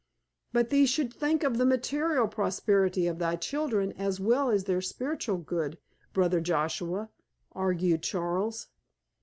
"But thee should think of the material prosperity of thy children as well as their spiritual good, brother Joshua," argued Charles.